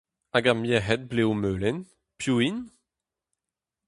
Hag ar merc'hed blev melen, piv int ?